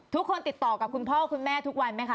ทุกคนติดต่อกับคุณพ่อคุณแม่ทุกวันไหมคะ